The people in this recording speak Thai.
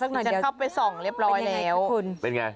สักหน่อยเดี๋ยวเป็นยังไงคุณเป็นยังไงมีฉันเข้าไปส่องเรียบร้อยแล้ว